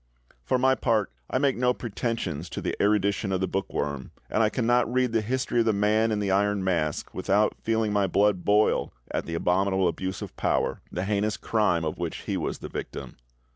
For my part, I make no pretensions to the erudition of the bookworm, and I cannot read the history of the Man in the Iron Mask without feeling my blood boil at the abominable abuse of power—the heinous crime of which he was the victim.